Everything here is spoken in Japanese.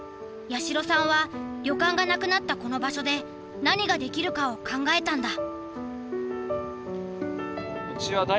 八代さんは旅館がなくなったこの場所で何ができるかを考えたんだ。